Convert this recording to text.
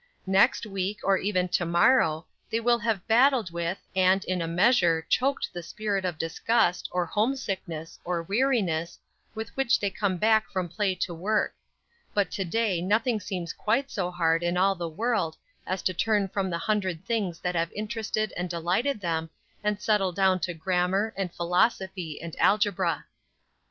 Next week, or even to morrow, they will have battled with, and, in a measure, choked the spirit of disgust, or homesickness, or weariness, with which they come back from play to work; but to day nothing seems quite so hard in all the world as to turn from the hundred things that have interested and delighted them, and settle down to grammar, and philosophy, and algebra.